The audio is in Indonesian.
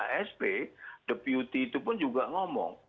ksp deputi itu pun juga ngomong